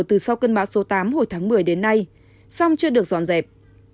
từ sau cơn bão số tám hồi tháng một mươi đến nay song chưa được dọn dẹp